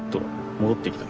戻ってきた？